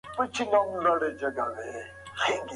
خلک وایي چې ناامني ژوند ډېر تریخ کړی دی.